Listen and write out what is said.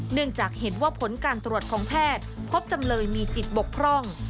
เนื่องจากเห็นว่าผลการตรวจของแพทย์พบจำเลยมีจิตบกพร่อง